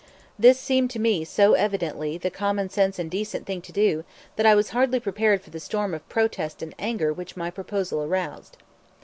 This seemed to me so evidently the common sense and decent thing to do that I was hardly prepared for the storm of protest and anger which my proposal aroused.